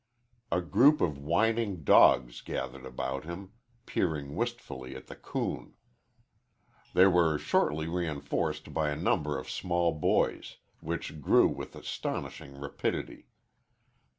A group of whining dogs gathered about him, peering wistfully at the coon. They were shortly reinforced by a number of small boys, which grew with astonishing rapidity.